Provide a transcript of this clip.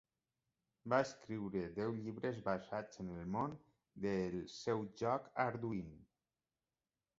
Va escriure deu llibres basats en el món del seu joc "Arduin".